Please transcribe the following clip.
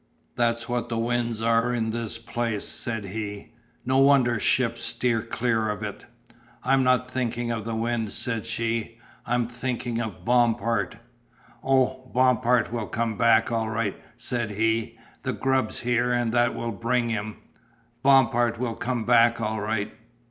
"That's what the winds are in this place," said he, "no wonder ships steer clear of it." "I'm not thinking of the wind," said she, "I'm thinking of Bompard." "Oh, Bompard will come back all right," said he, "the grub's here and that will bring him. Bompard will come back all right."